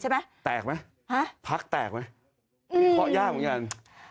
ใช่ไหมแตกมั้ยฮะพักแตกมั้ยอืมเพราะยากอย่างเงี้ยเนี่ย